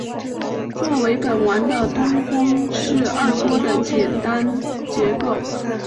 作为本丸的东馆是二廓的简单结构。